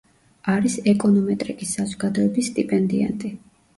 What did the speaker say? არის ეკონომეტრიკის საზოგადოების სტიპენდიანტი.